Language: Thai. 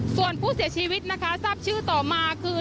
ส่วนผู้เสียชีวิตนะคะทราบชื่อต่อมาคือ